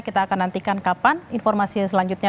kita akan nantikan kapan informasi selanjutnya